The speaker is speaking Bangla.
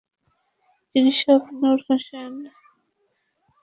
চিকিৎসক নূর হোসেন বর্তমানে ডেলটা মেডিকেল কলেজ হাসপাতালের ফরেনসিক শাখার প্রধান।